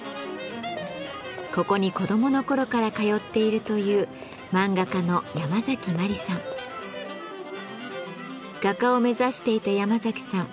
ここに子どもの頃から通っているという画家を目指していたヤマザキさん